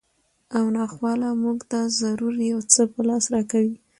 او ناخواله مونږ ته ضرور یو څه په لاس راکوي